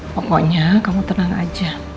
pokoknya kamu tenang aja